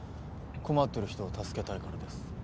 困ってる人を助けたいからです。